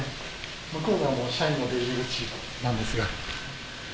向こうが社員の出入り口なんですが。